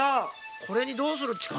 これにどうするっちか？